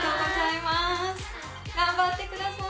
「頑張ってください！」。